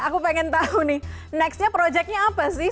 aku pengen tahu nih nextnya projectnya apa sih